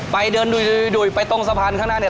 เดินดุยไปตรงสะพานข้างหน้าเนี่ย